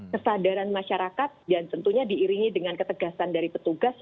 kesadaran masyarakat dan tentunya diiringi dengan ketegasan dari petugas